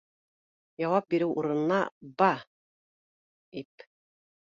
Яуап биреү урынына ба- ИП